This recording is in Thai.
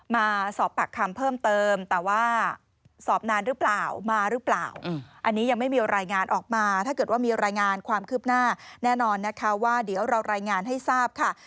มาสอบปากคำเพิ่มเติมแต่ว่าสอบนานหรือเปล่ามาหรือเปล่าอันนี้ยังไม่มีรายงานออกมาถ้าเกิดว่ามีรายงานความคืบหน้าแน่นอนนะคะว่าเดี๋ยวเรารายงานให้ทราบค่ะ